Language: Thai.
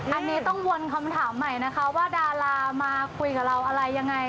อันนี้ต้องวนคำถามใหม่นะคะว่าดารามาคุยกับเราอะไรยังไง